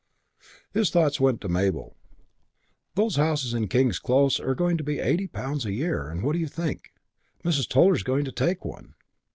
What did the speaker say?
His thoughts went to Mabel. "Those houses in King's Close are going to be eighty pounds a year, and what do you think, Mrs. Toller is going to take one."